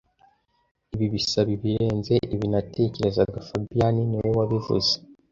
Ibi bisaba ibirenze ibi natekerezaga fabien niwe wabivuze